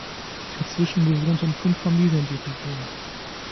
Inzwischen bewohnten fünf Familien die Region.